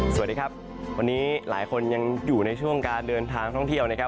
สวัสดีครับวันนี้หลายคนยังอยู่ในช่วงการเดินทางท่องเที่ยวนะครับ